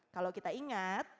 kalau kita ingat